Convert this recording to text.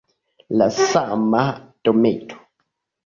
La sama dometo!